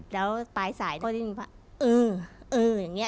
แล้วปลายสายก็ได้ยินว่าเออเอออย่างนี้